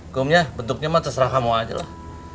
kum ya bentuknya mah terserah kamu aja lah